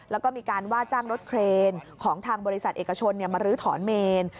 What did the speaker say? แล้วก็มีการว่าจ้างรถเครนของทางบริษัทเอกชนมารื้อถอนเมน